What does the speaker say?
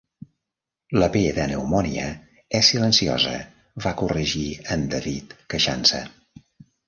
La P de pneumònia és silenciosa, va corregir en David, queixant-se.